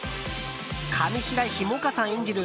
上白石萌歌さん演じる